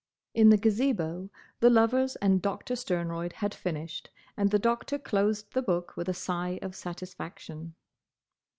In the Gazebo the lovers and Doctor Sternroyd had finished, and the Doctor closed the book with a sigh of satisfaction.